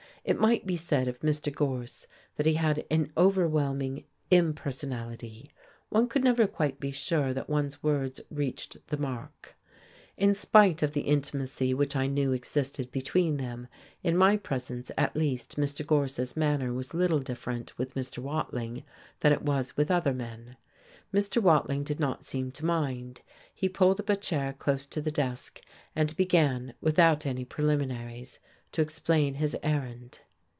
It might be said of Mr. Gorse that he had an overwhelming impersonality. One could never be quite sure that one's words reached the mark. In spite of the intimacy which I knew existed between them, in my presence at least Mr. Gorse's manner was little different with Mr. Watling than it was with other men. Mr. Wading did not seem to mind. He pulled up a chair close to the desk and began, without any preliminaries, to explain his errand.